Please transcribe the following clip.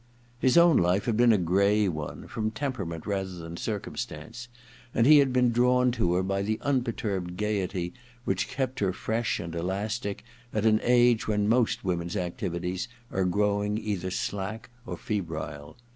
His own life had been a gray one, from temperament rather than circumstance, and he had been drawn to her by the imperturbed gaiety which kept her fresh and elastic at an age when most women's acti\aties are growing either slack or febrile.